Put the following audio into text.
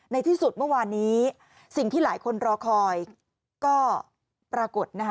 ในที่สุดเมื่อวานนี้สิ่งที่หลายคนรอคอยก็ปรากฏนะคะ